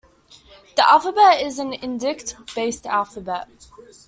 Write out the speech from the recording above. The alphabet is an indic-based alphabet.